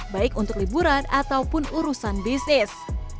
baik untuk liburan ataupun urusan bisnis